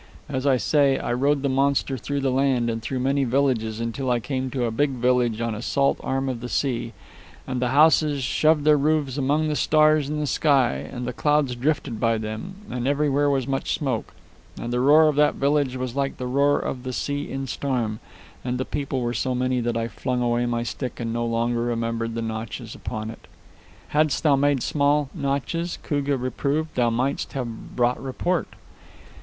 As I say, I rode the monster through the land, and through many villages, until I came to a big village on a salt arm of the sea. And the houses shoved their roofs among the stars in the sky, and the clouds drifted by them, and everywhere was much smoke. And the roar of that village was like the roar of the sea in storm, and the people were so many that I flung away my stick and no longer remembered the notches upon it." "Hadst thou made small notches," Koogah reproved, "thou mightst have brought report."